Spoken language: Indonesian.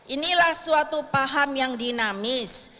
inilah suatu paham yang dinamis